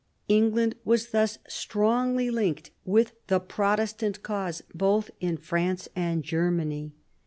England was thus strongly linked with the Protestant cause, both in France and Germany.